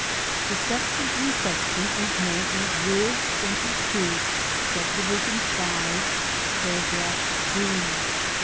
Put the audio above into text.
The section in question is known as Rule 22, Subdivision 5, paragraph b.